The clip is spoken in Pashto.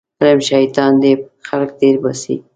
علم شیطان دی خلک تېرباسي